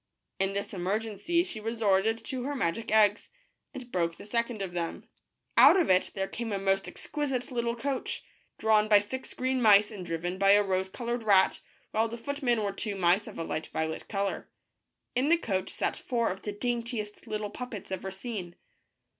In this emergency she resorted to her magic eggs, and broke the second of them. Out of it 246 THE BLUE BIRD. THE BLUE BIRD. there came a most exquisite little coach, drawn by six green mice and driven by a rose colored rat, while the footmen were two mice of a light violet color. In the coach sat four of the daintiest little puppets ever seen.